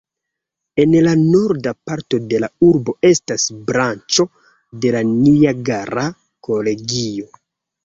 En la norda parto de la urbo estas branĉo de la Niagara Kolegio.